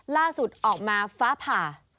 ล่าสุดออกมาฟ้าผ่า